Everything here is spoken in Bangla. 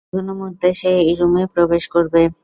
যেকোন মুহুর্তে সে এই রুমে প্রবেশ করবে।